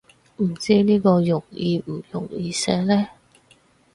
唔知呢個容易唔容易寫呢